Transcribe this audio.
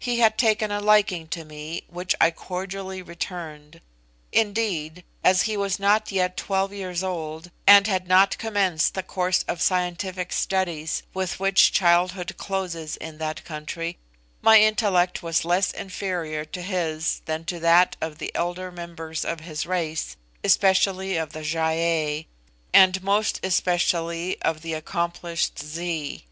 He had taken a liking to me, which I cordially returned. Indeed, as he was not yet twelve years old, and had not commenced the course of scientific studies with which childhood closes in that country, my intellect was less inferior to his than to that of the elder members of his race, especially of the Gy ei, and most especially of the accomplished Zee.